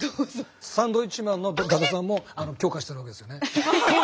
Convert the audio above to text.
サンドウィッチマンの伊達さんも許可してるわけですよね？